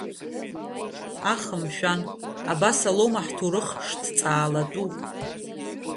Аха мшәан, абасала аума ҳҭоурых шҭҵаалатәу?